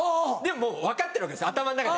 もう分かってるわけです頭の中で。